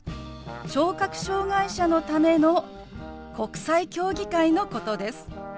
・聴覚障害者のための国際競技会のことです。